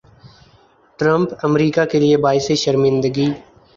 Trump امریکا کیلئے باعث شرمندگی